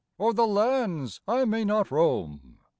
Or the lands I may not roam?